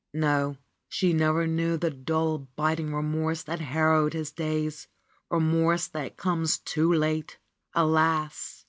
No, she never knew the dull, biting remorse that harrowed his days, remorse that comes too late! Alas!